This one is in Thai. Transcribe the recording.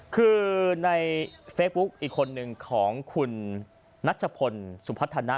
คือในเฟซบุ๊คอีกคนนึงของคุณนัทชะพนสุพรรษาธารณะ